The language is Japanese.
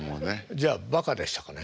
じゃあバカでしたかね？